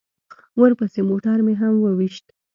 ورپسې موټر مې هم وويشت.